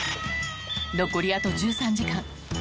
残りあと１３時間。